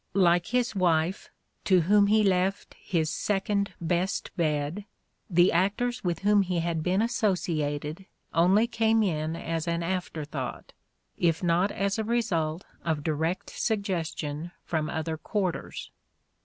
Like his wife, to whom he left his " second best bed," the actors with whom he had been associated only came in as an afterthought, if not as a result of direct suggestion from other quarters.